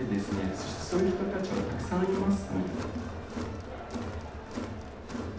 そしてそういう人たちはたくさんいます。